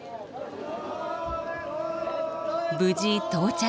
無事到着。